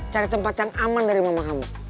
cari tempat yang aman dari mama kamu